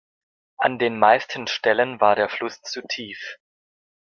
An den meisten Stellen war der Fluss zu tief.